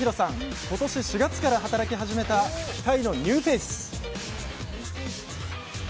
今年４月から働き始めた期待のニューフェース！